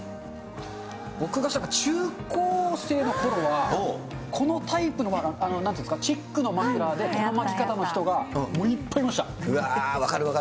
僕が中高生のころは、このタイプの、なんていうんですか、チェックのマフラーで、この巻き方の人がも分かる、分かる。